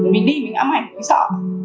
mình đi mình ấm ảnh mình sợ